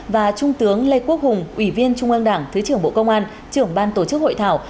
và trung tướng lê quốc hùng ủy viên trung ương đảng thứ trưởng bộ công an trưởng ban tổ chức hội thảo